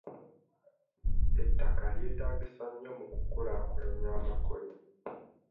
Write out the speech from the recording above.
Ettaka lyetaagisa nnyo mu ku kulaakulanya amakolero.